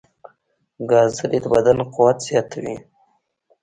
ګازرې د بدن قوت زیاتوي.